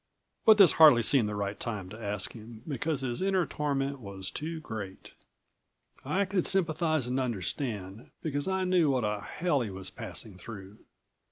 But this hardly seemed the right time to ask him, because his inner torment was too great. I could sympathize and understand, because I knew what a hell he was passing through.